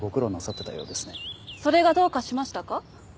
それがどうかしましたか？